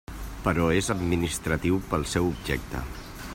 Però és administratiu pel seu objecte.